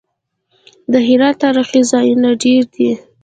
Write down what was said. د هرات تاریخي ځایونه ډیر دي